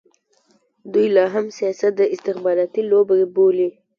دوی لا هم سیاست د استخباراتي لوبه بولي.